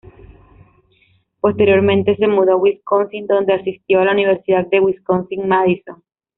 Posteriormente se mudó a Wisconsin, donde asistió a la Universidad de Wisconsin-Madison.